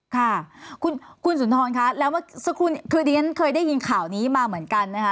ค่ะคุณสุนทรคะแล้วเมื่อสักครู่คือดิฉันเคยได้ยินข่าวนี้มาเหมือนกันนะคะ